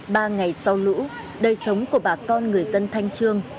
ba ngày sau lũ đời sống của bà con người dân thanh trương